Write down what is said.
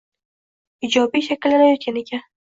ijobiy shakllanayotgan ekan